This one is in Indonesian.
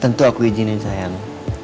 tentu aku izinin sayang